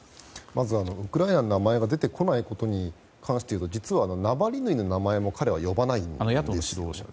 まず、ウクライナの名前が出てこないことに関して言うと実は、ナワリヌイの名前も彼は呼ばないんですよね。